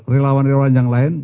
relawan relawan yang lain